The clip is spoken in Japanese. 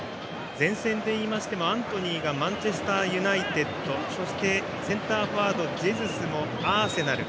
前線でいいましてもアントニーがマンチェスターユナイテッドそして、センターフォワードのジェズスもアーセナル。